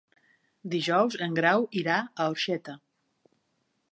Dijous en Grau irà a Orxeta.